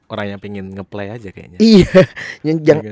orang yang ingin ngeplay aja kayaknya